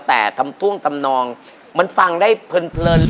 แต่ทำท่วงทำนองมันฟังได้เพลิน